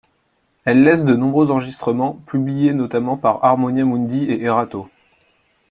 Elle laisse de nombreux enregistrements, publiés notamment par Harmonia Mundi et Erato.